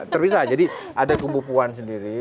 terpisah jadi ada kubu puan sendiri